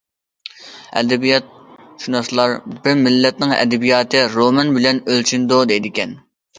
ئەدەبىياتشۇناسلار بىر مىللەتنىڭ ئەدەبىياتى رومان بىلەن ئۆلچىنىدۇ دەيدىكەن.